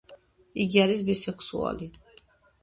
იგი არის ბისექსუალი.